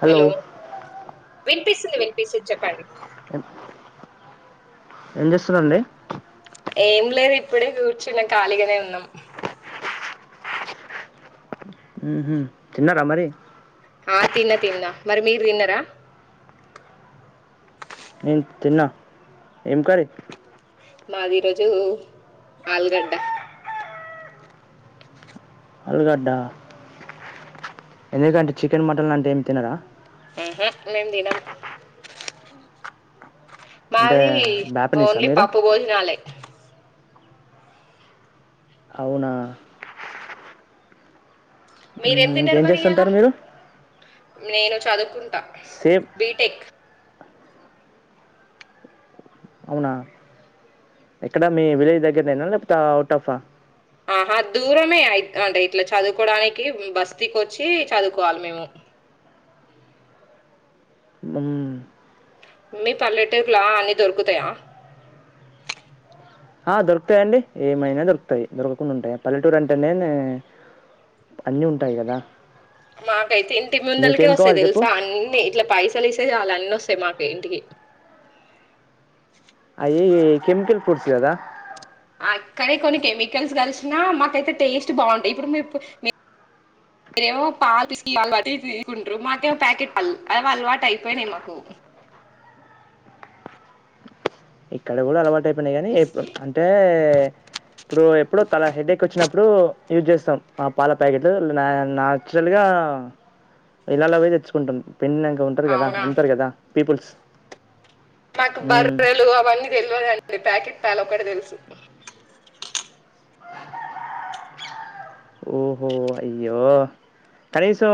Hello వినిపిస్తుంది వినిపిస్తుంది చెప్పాలి ఏం చేస్తున్నాండి ఏం లేదు ఇప్పుడే కూర్చున్న కాలిగానే ఉన్నాం హ్మ్ హ్మ్ తిన్నారా మరి ఆ తిన్న తిన్న మరి మీరు తిన్నరా ఏ తిన్నా ఏం కర్రి మాది ఈ రోజు ఆల్ గడ్డ అల్ గడ్డా ఎందుకంటే చికెన్ మటన్ అంటే ఏమి తినరా ఆహా నేన్ దిన అంటే మావి బ్యాపనీసా ఓన్లీ మీరు పప్పు భోజనాాలే అవునా మీరేం తిన్నారు ఇంకేం మరి ఇయాల చేస్తుంటారు మీరు నేను చదువుకుంటా సేమ్ బిటెక్ అవునా ఎక్కడ మీ విలేజ్ దగ్గరనేనా లేకపోతే అవుట్ ఆఫ ఆహా దూరమే అంటే ఇట్లా చదువుకోవడానికి బస్తీకి వచ్చి చదువుకోవాలి మేము ఉ మీ పల్లటకులా అ దొరకుత ఆ దొరుకుతాయిండి ఏమైనా దొరుకుతాయి దొరకకుండా ఉంటాయి పల్లెటూరు అంటేనే అన్నిీ ఉంటాయి కదా మాకైతే ఇంటి ముందలకే మీకేం వస్తేయి కావాలి చెప్పు తెలుసా అన్ని ఇట్లా పైసలు ఇస్తే చాల అన్నిీ వస్తాయి స మాక ఇంటికి అయ కెమికల్ ఫుడ్స్ ఇదదా అక్కడే కొన్ని కెమికల్స్ కలిసినా మాకైతే టేస్ట్ బాగుంటాయి ఇప్పుడు మీ మీరేమో పాలు తీసుకుంటారు మాకేమో ప్యాకెట్ అలవాటు అయిపోయినాయి మాకు ఇక్కడ కూడా అలవాటు అయి కానీప్పు అంటే ఇప్పుడు ఎప్పుడు తల హెడ్ ఎేక్ వచ్చినప్పుడు యూజ్ చేస్తాం ఆ పాల ప్యాకెట్లు నాన్చురల్ గా ఇలాలో పోయి తెచ్చుకుంటాం పెన్నంక ఉంటారు కదా అవునా అమ్ంటారు కదా పీపుల్స్ మాకు హ్మ్. బర్రెలు అవన్నీ తెలవదండి ప్యాకెట్ పాలు ఒక్కటి తెలుసు. ఓహో అయ్యో కనీసం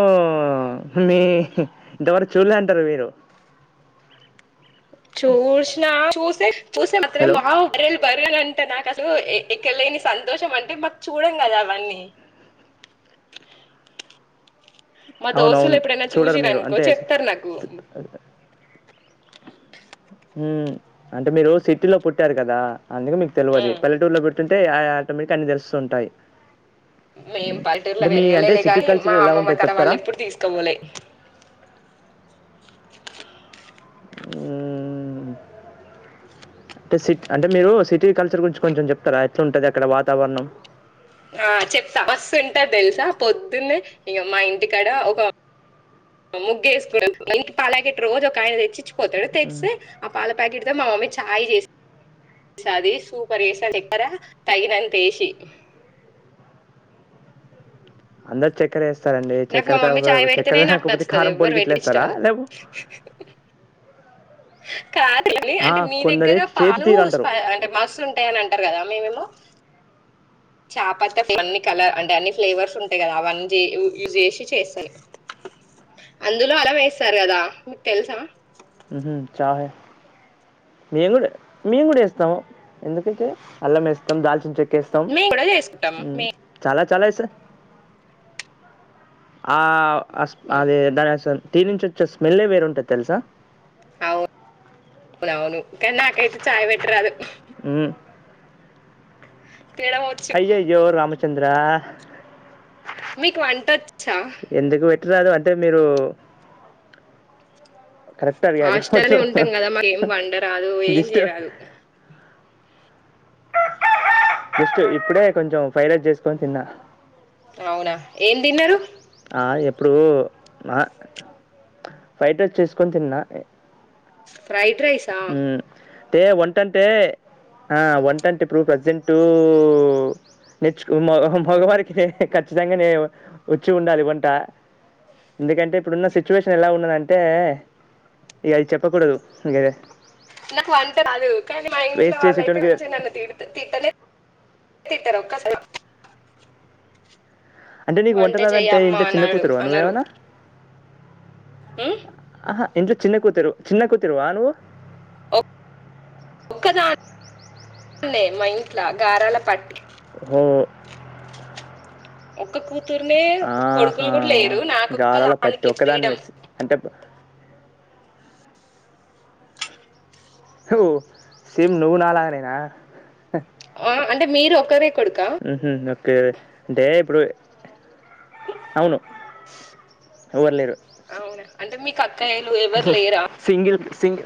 మీ ఇంతవరకు చూడలే అంటరు మీరు. చూర్సిన చూసె చూసె మాత్రం హలో! వావ్ అదేబయ్ పిలనంటే నాకు అసలు ఎక్కడ లేని సంతోషం అంటే మాక్ చూడంగదా అవన్నీ మా దోస్తులు అవునవును. ఎప్పుడైనా చూడరు చూసిర్ మీరు. అనుకో అంతే స్ చెప్తార్ నాకు ఉమ్ అంటే మీరు సిటీలో పుట్టారు కదా. అందుకే మీకు తెలవది ఉమ్ పల్లెటూరులో పుట్ అంటే ఆ ఆటోమేటిక్ అన్ని తెలుస్తుంటాయి మేం పల్లెటూరులో అంటే మీ అంటే పెరగలే సిటీ గానీ కల్చర్ మా ఎలా అమ్మమ్మ ఉంటుందో తరం చెప్తారా వాళ్ళు ఎప్పుడు తీస్కవోలే ఊమ్ అంటే సిట్ అంటే మీరు సిటీ కల్చర్ గురించి కొంచెం చెప్తారా ఎట్లుంటది అక్కడ వాతావరణం. ఆ చెప్తా మస్స్తుంటద్ తెలుసా పొద్దున్నే ఇక మా ఇంటికాడ ఒక ముగ్గేసుకు [inaudible] పాల్పాకెట్ రోజు ఒకాయన తెచ్చిచ్చి పోతడ్ మ్మ్. తెేస్సే ఆ పాల ప్యాకెట్ మా మమ్మీ చాయ్ చేసి సాది సూపర్ జేస్సది చక్కర తగినంతేసి అందర్ చక్కెరేస్ స్తారండి నాకు చక్కర మా మమ్మీ చాయ్ పెడితేనే నాకు చక్కెరగాకపోతే నచ్చుతది కారం ఎవ్వరు పెట్టింది ఇష్టం పొడిగిట్లేస్తారా ఉండదు లేపో కాదండి అంటే మీ కొందరు దగ్గర ఏ- చేతి పాలు తీరు అంటారు స్ప అంటే మస్తు ఉంటయ అని అంటరు కదా మేమేమో చాపత్త ఫే అన్ని కలర్ అంటే అన్ని ఫ్లేవర్స్ ఉంటయి కదా అవన్నీచే యూ యూజ్ చేసి చేస్తలే. అందులో అల్లం వేస్తారు కదా మీకు తెలుసా. హుహ్ చాయ్ మేము కూడా మేము కూడా వేస్తము ఎందుకైతే అల్లం వేస్తాం దాల్చిన చె మేము కూడా చేసుకుంటాం మే చాలైసే ఆ అస్ అదే [unintelligible] దీని నుంచి వచ్చే స్మెల్లే వేరుంటది తెలుసా. అవును అవును నాకైతే చాయ్ పెట్టరాదు. మ్మ్. తినడం వచ్చు. చంద్రా. మీకు వంట వచ్చా ఎందుకు పెట్ రాదు అంటే మీరు కరెక్ట్ అడిగారు హాస్టలనే వచ్చు ఉంటాం కదా మాకు ఏం వండరాదు, ఏం జస్ట్ చేయరాదు. జస్ట్ ఇప్పుడే కొంచెం ఫ్రైడ్ రైస్ చేసుకొని తిన్నా. అవునా ఏంతిన్నరు? ఇప్పుడూ ఆ ఫ్రైడ్ రైస్ చేసుకొని తిన్నా. ఫ్రైడ్ రైసా. మ్, అంటే వంటంటే ఆ వంటంటే ఇప్పుడు ప్రజెంట్ నేర్చు మగ మగవారికి ఖచ్చితంగా వచ్చి ఉండాలి వంట. ఎందుకంటే ఇప్పుడున్న సిచ్యువేషన్ ఎలా ఉన్నదంటే ఇగ అది చెప్పకూడదు. గదే నాకు వంట రాదు కానీ మా ఇంట్లో ఫేస్ వాళ్ళయితే చేసేటోనికి మంచిగా నన్ను తిడుతూ తిట్టలే తిట్టార ఒక్కసారి అయినా అంటే నీకు వంటరాదంటే అమ్మ ఇంట్ల చిన్న అన్నాడు కూతురివా నువ్వేమన్నా. హ్ హ ఇంట్లో చిన్న కూతురు చిన్న కూతురువా నువ్వు. ఒక్కదాన్నే మా ఇంట్ల గారాల పట్టి. హ ఒక్క కూ కూతుర్నే కొడుకులు కూడా లేరు నాకొక్క గారాల పట్టి దానికి ఫ్రీడం. ఒక్కదానివే స్ అంటే ఓ సేమ్ నువ్వు నాలగనేనా. ఆ అంటే మీరు ఒకరే కొడుకా ఉహ్ అ ఇప్పుడు అవును ఊర్లేరు కాయలు ఎవరు లేరా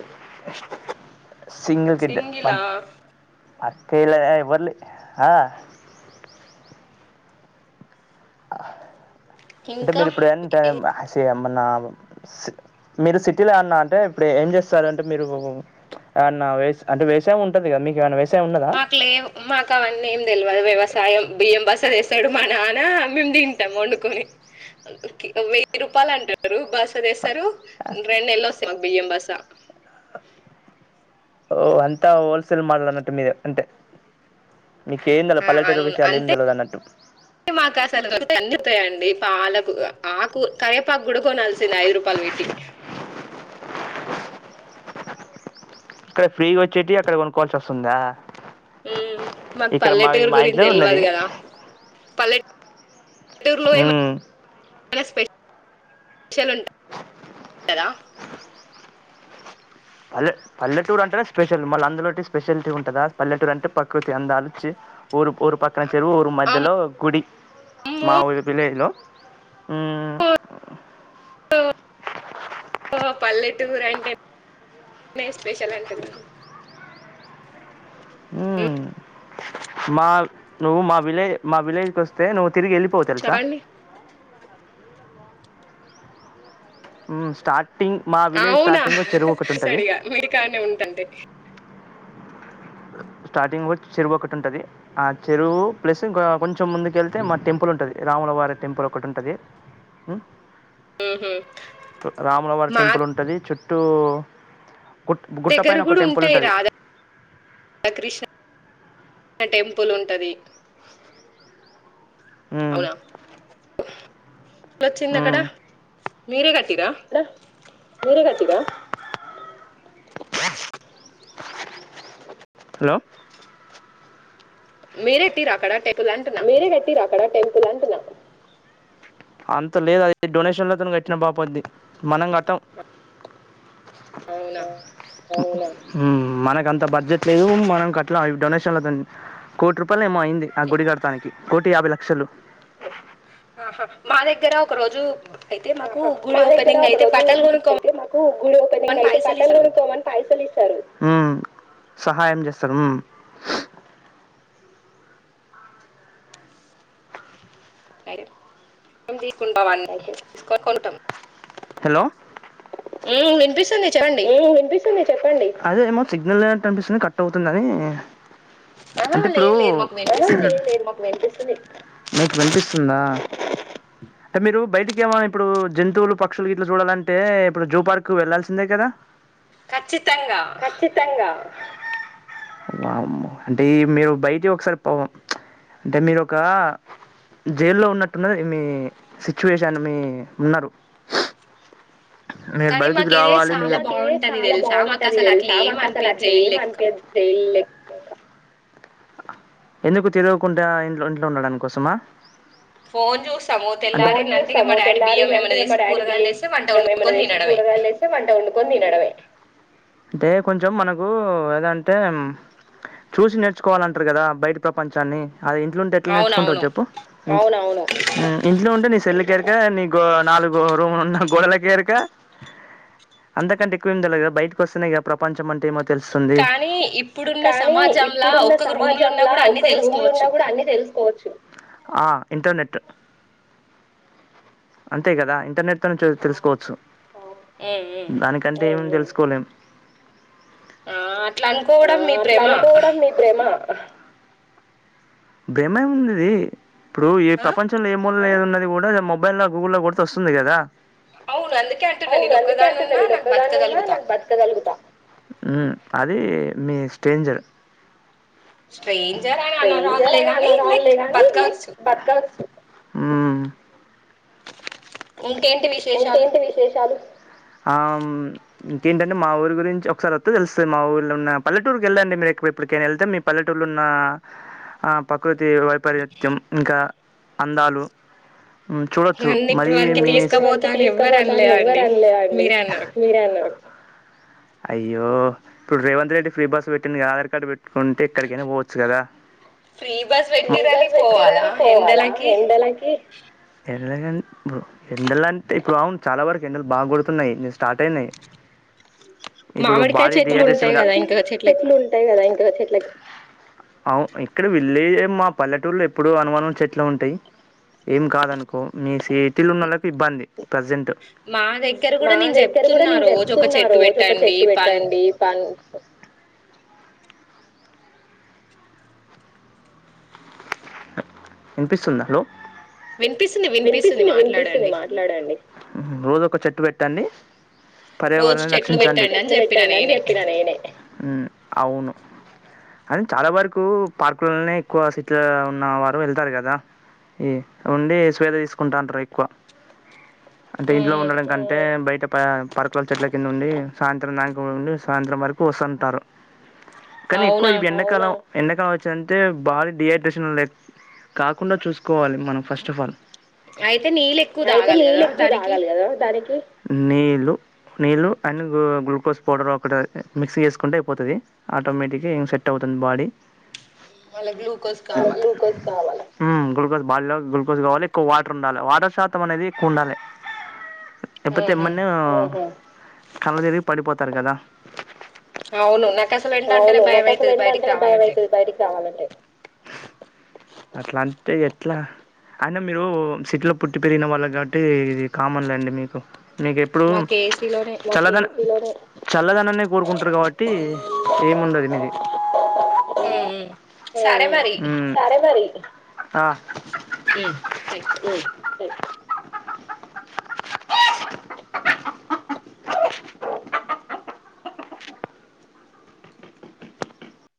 [inaudible] సింగిల్ గిడ్ సింగిలా పట్ అక్కే ఇల్ బర్లి ఆ అంటే ఇంకా మీరు ఇప్పుడు ఏంట ఏ- మన మీరు సిటీలో అన్న అంటే ఇప్పుడు ఏం చేస్తారు అంటే మీరు అన్నా వే అంటే వేసే ఉంటది కదా మీకు ఏమైన్నా వే మాకు లే మాకు అవన్నీ ఏం తెలియదు వ్యవసాయం బియ్యం బస చేస్తాడు మన మేము తింటాం వండుకొని వెయ్యి రూపాయలు అంటారు బస్ ారు రెండు నెల్ల వస్త మాకు బియ్యం బస ఓ అంతా హోల్సేల్ మలనటు మద అంటే మీకు ఏం తెలదు ఆ అ పల్లెటూరు విషయాలు ఏం అంతే తెలవదు అన్నట్టు మాకా అందుతాయండిల ఆకు కయేపాకు గుడ కొనాల్సింది ఐదు రూపాయలు పెట్టి ఇక్కడ ఫ్రీగా వచ్చేటి అక్కడ కొనుక్కోవాల్సి వస్తుందా మాకు ఇక్కడ మా పల్లెటూరు మా గురించి ఇంట్లో తెలివదు ఉన్నది కదా పల్లెటూ పల్లెటూరులో మ్మ్ చాల స్పెషల్ంటాయి కదా పల్లె పల్లెటూరు అంటేనే స్పెషల్ మళ్ళీ అందులో స్పెషాలిటీ ఉంటుందా పల్లెటూరు అంటే ప్రకృతి అందచి ఊరు ఇక్కన చెరువు మధ్యలో గుడి అమ్మో మా ఊరు విలేజ్లో టూర్ అంటే స్పెషల్ అంటుంది ఉ మా నువ్వు మా విలేజ్ మా విలేజ్ క వస్తే నువ్వు తిరిగి వెళ్ళిపో తెలుసా చెప్పండి స్టార్ట్ అవునా సరిగా మీదికాన్నే ఉంటంటె స్టార్టింగ్ చెరువు ఒకటి ఉంటుంది ఆ చెరువు ప్లస్ కొంచెం ముందుకు వెళ్తే మా టెంపుల్ ఉంటుంది రాములవారి టెంపుల్ ఒకటి ఉంటుంది ఉహు రామలవారి మా టెంపుల్ ఉంటది చుట్టూ టటు గుట్ గుట్టపైన ఒక టెంపుల్ ఉంటుంది కృష్ణ టెంపుల్ ఉంటుది అవునా అలాచ్చింది అక్కడ మీరుగాచ్చ అడ మీరే గట్టి గా వాహ హలో మీరెట్టిర్రా అక్కడ టె మీరే కట్టిర్రా అక్కడ టెమ్ పుల్ అంటున్న. ఆ అవునా అవునా హుమ్ మనకంత బడ్జెట్ లేదు. మనం కట్లా అవి. డొనేషన్లో దాన్ని కోటి రూపాయలు ఏమో అయి ఇంది ఆ గుడి కడ కోటి యాభై లక్షలు ఆహా మా దెగ్గర ఒక రోజు అయితే మాకు ఆహ గుడి మా దగ్గర ఓపెనింగ్ ఒక అయితే రోజు బట్టలు కొనుక్కో అయితే, మాకు గుడి అని ఓపెనింగ్ అయితే పైసలు బట్టలు ఇస్తారు కొనుకోమని పైసలిస్తారు. మ్మ్ సహాయం చేస్తారు. మ్మ్ టైరు ఉంది. కుంట వాన్ని అయితే తీస్కా కొన్ టం మ్మ్ వినిపిస్ ఏ ఎ వినిపిస్తుంది. అదేమో సిగ్నలేనట్టఅనిపిస్తుంది కట్ అవుతుందని. ఆహా అంటే ఇప్పుడు లేదు లేదు మాకు వినిపిస్తుంది మీకు వినిపిస్తుందా! అంటే మీరు బయటికేమో ఇప్పుడు జంతువులు పక్షులు గిట్లా చూడాలంటే ఇప్పుడు జూ పార్క్ వెళ్లాల్సిందే కదా? ఖచ్చితంగా ఖచ్చితంగా వామ్మో అంటే ఈ మీరు బయటి ఒకసారి పోవం. అంటే మీరొక జైల్లో ఉన్నట్టున్నది మీ సిచ్యువేషన్ మీ ఉన్నారు. మీరు కానీ బయటికి మాకు ఇదే రావాలి మీ చాలా అా బాగుంటది తెలుసా మాకు అసలు అట్లా ఏం అనిపియదు జైలు లెక్క ఎందుకు తిరగకుంట ఇంట్లో ఇంట్లో ఉండడానికోసమా? ఫోన్ చూస్తాము తెల్లారిందంటే ఇగ మా డాడీ బియ్యం ఏమైనా అంటె తెస్తే కూరగాయలు తెస్తే వంట వండుకొని తినడమే అంటే కొంచెం మనకు ఏదంటే చూసి నేర్చుకోవాలంటారు కదా బయట ప్రపంచాన్ని. అది ఇంట్లో ఉంటే ఎట్ల నేర్చుకుంటావు అవునవును చెప్పు? ఇంట్లో ఉంటే నీ సెల్లికెరుక నీ గో నాలుగు రూమ్లున్న గోడలక్ ఎరుక? అంతకంటే ఎక్కువేం తెల్వదు కదా! బయటికొస్తేనే గా ప్రపంచం అంటే ఏమో తెలుస్తుంది కానీ ఇప్పుడున్న కానీ సమాజం ఇప్పుడున్న సమాజంలా ఒక్కొక్క రూమ్ లో ఉన్నా కూడా అన్ని తెలుస్ ఆ ఇంటర్నెట్ అంతే కదా ఇంటర్నెట్ [unintelligible] తెలుసుకోవచ్చు ఉమ్ ఉమ్ దానికంటే ఏం తెలుసు కొలెం ఆ అట్లా అనుకోవడం మీ బ్రెమ కొడం మీ బ్రెమ బ్రేమేం ఉన్నది ఇప్పుడు ఈ ఆ ప్రపంచంలో ఏ మూలన ఏము అది కూడా మొబైల్ లో గూగుల్ లో కొడితే వస్తుంది కదా అవును అందుకే అంటున్నాను నేను ఒక్కదాని అంటున్నా ఉన్నా నాకు బతకగలుగుతా ఉమ్ అది మీ స్టేంజర్ స్ట్రేంజర్ అని అన స్ట్రేంజర్ రాదులే అని గాని అలా లైక్ కాదులేగాని లైక్ బతకవచ్చు బతకవచ్చు ఉమ్ ఇంకేంటి విశేషాలు ఇంకేంటి విశేషాలు ఆమ్ ఇంకేంటంటే మా ఊరు గురించి ఒకసారి ఒత్తే తెలుస్తది మా ఊర్లో ఉన్న పల్లెటూరుకి వెళ్లండి మీరు ఎక్వ ఇప్పటికైనా వెళ్తే మీ పల్లెటూర్లో ఉన్న ఆ ప్రకృతి వైపరీత్యం ఇంకా అందాలు ఉమ్ చూడొచ్చు నన్ను ఇప్పటి వరకి ఇప్పుడు తీసుకపోతా వరకి అని ఎవ్వరు తీసుకపోతా అని ఎవ్వరు అనలేదండి అన్లే అండి మీరే అన్నారు మీరే అన్నారు అయ్యో ఇప్పుడు రేవంత్ రెడ్డి ఫ్రీ బస్ పెట్టి ఆధార్ కార్డు పెట్ ఉంటే ఎక్కడికైనా పోవచ్చు కదా ఫ్రీ బస్ ఫ్రీ పెట్టిరని బస్ పోవాలా పెట్టిర్రన్ని పోవాలా ఎండలకి ఎండలకి [unintelligible] పు ఎండల అంటే ఇప్పుడు అవును చాలా వరకు ఎండలు బాగా కొడుతున్నాయి ఇగ స్టార్ట్ అయినాయి. ఇప్పుడు మామిడికాయ బాడీ చెట్లు డిహైడ్రేషన్ ఉంటాయి గా కదా ఇంకా చెట్లకి చెట్లు ఉంటాయి కదా ఇంకా చెట్ల కీ. అవు ఇక్కడ విళ్లేజ్ మా పల్లెటూరులో ఎప్పుడూ అనుమానం చెట్లే ఉంటాయి ఏం కాదు అనుకో ని తిల్లు ఉన్నోళ్ల కి ఇబ్బంది ప్రెసెంట్ మా దగ్గర కూడా మా నేను దగ్గర కూడా చెప్తున్నా నే రోజు ఒక చెప్తున్న చెట్టు రోజు ఒక పెట్టండి చెట్టు పన్ పెట్టండి పన్కొ వినిపిస్తుందా హలో వినిపిస్తుంది వినిపిస్తుంది వినిపిస్తుంది మాట్లాడండి మాట్లాడండి ఉమ్ రోజ్ ఒక చెట్టు పెట్టండి రోజు పర్యావరణాన్ని చెట్లు రక్షించండి రోజు పెట్టండి అని చెట్లు చెప్పిన పెట్టండి అని నేనే చెప్పిన నేనే ఉమ్ అవును అది చాలా వరకు పార్కులనే ఎక్కువ సిటీలలో ఉన్న వారు వెళ్తారు కదా ఈ ఉండి. [unintelligible] తీసుకుంటా ఉంటారు ఎక్కువ అంటే ఇంట్లో ఉమ్, ఉండడం కంటే బయట ప పరుకుల చెట్ల కింద ఉండి సాయంత్రం దాంక ఉండి సాయంత్రం వరకు వస్తంటారు కానీ ఎక్కువ అవునా ఇవి ఎండాకాలం ఎండక కావచ్చు అంటే బాడీ డిహైడ్రేషన్ లే కాకుండా చూసుకోవాలి మనం ఫస్ట్ ఆఫ్ ఆల్. అయితే నీళ్ళు ఎక్కువ అయితే తాగాలి కదా నీళ్ళు ఎక్కువ దానికి తాగాలి కదా దానికి నీళ్ళు నీళ్ళు అండ్ గ్లూకోజ్ పౌడర్ ఒకటి మిక్స్ చేసుకుంటే అయిపోతది ఆటోమేటిక్గా ఏం సెట్ అవుతుంది బాడీ. మళ్ళ గ్లూకోజ్ కావాల గ్లూకోస్ కావాలా హ్మ్ గ్లూకోస్ బాడీలో గ్లుకోస్ కావాలి కు వాటర్ ఉండాలే వాటర్ శాతం అనేది ఎక్కువుండాలే ఎప్పతే ఆహా ఎమ్మన్నా కళ్ళుదిరిగి పడిపోత తరు గదా అవును నాకు అసలు ఎండ అంటేనే అవును భయం నాకు అసలు అయితది ఎండ బయటికి అంటేనే భయం రావాలంటే అయితది బయటికి కావాలంటే. అట్లా అంటే ఎట్లా అ నే మీరు సిటీ లో పుట్టి పెరిగిన వాళ్ళకి కాబట్టి ఇది కామన్ అండి మీకు నీకెప్పుడు మాకు ఏసీలోనే చల్లదన చల్లదనాన్ని కోరుకుంటారు కాబట్టి ఏముండది మీది ఉమ్మ్ మ్మ్ సరే మరి సరే మరి ఆ ఉమ్మ్ రైట్‌ [unintelligible]